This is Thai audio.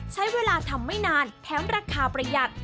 ใช้เวลาทำไม่นานแถมราคาประหยัด